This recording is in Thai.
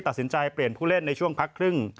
ตัดสินใจเปลี่ยนผู้เล่นในช่วงพักครึ่ง